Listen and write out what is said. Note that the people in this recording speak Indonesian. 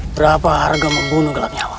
berapa harga membunuh gelapnya awang